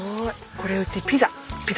これうちピザピザ。